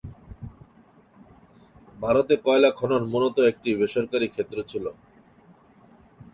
ভারতে কয়লা খনন মূলত একটি বেসরকারী ক্ষেত্র ছিল।